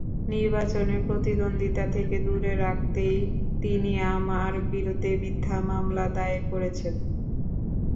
নির্বাচনে প্রতিদ্বন্দ্বিতা থেকে দূরে রাখতেই তিনি আমার বিরুদ্ধে মিথ্যা মামলা দায়ের করেছেন।